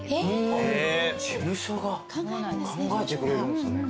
事務所が考えてくれるんですね。